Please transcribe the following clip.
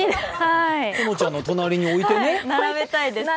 このちゃんの隣に並べてね。